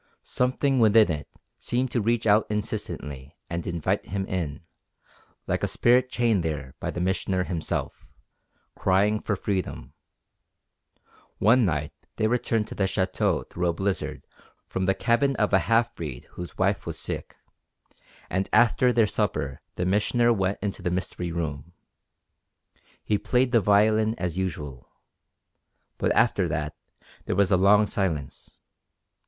Something within it seemed to reach out insistently and invite him in, like a spirit chained there by the Missioner himself, crying for freedom. One night they returned to the Château through a blizzard from the cabin of a half breed whose wife was sick, and after their supper the Missioner went into the mystery room. He played the violin as usual. But after that there was a long silence.